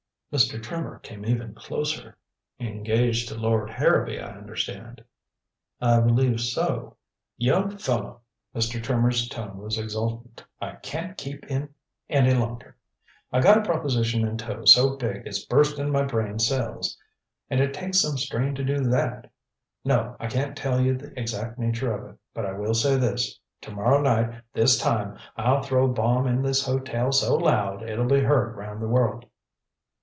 Mr. Trimmer came even closer. "Engaged to Lord Harrowby, I understand." "I believe so " "Young fellow," Mr. Trimmer's tone was exultant, "I can't keep in any longer. I got a proposition in tow so big it's bursting my brain cells and it takes some strain to do that. No, I can't tell you the exact nature of it but I will say this to morrow night this time I'll throw a bomb in this hotel so loud it'll be heard round the world."